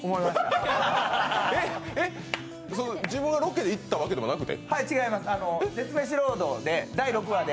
自分がロケで行ったわけでもなくて？